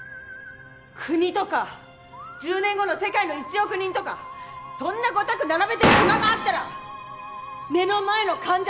国とか１０年後の世界の１億人とかそんな御託並べてる暇があったら目の前の患者救ったら？